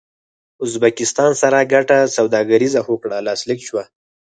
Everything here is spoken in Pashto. ازبکستان سره ګډه سوداګريزه هوکړه لاسلیک شوه